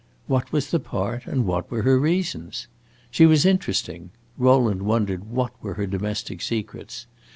What was the part and what were her reasons? She was interesting; Rowland wondered what were her domestic secrets.